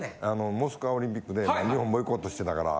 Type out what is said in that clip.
モスクワオリンピックで日本ボイコットしてたから。